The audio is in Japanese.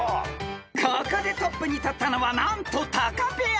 ［ここでトップに立ったのは何とタカペア］